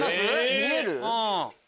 見える？